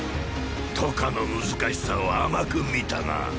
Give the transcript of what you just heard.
渡河の難しさを甘く見たな。